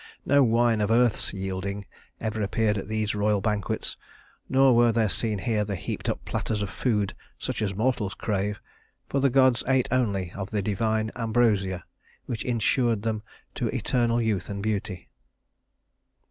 No wine of earth's yielding ever appeared at these royal banquets, nor were there seen here the heaped up platters of food such as mortals crave; for the gods ate only of the divine ambrosia which insured to them eternal youth and beauty.